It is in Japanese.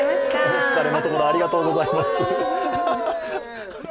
お疲れのところ、ありがとうございます。